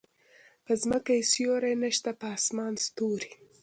په ځمکه يې سیوری نشته په اسمان ستوری